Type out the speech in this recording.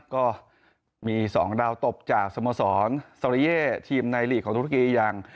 ก็มี๒ดาวตบจากสมสรรสวรรย์เยทีมในลีกของธุรกีอย่าง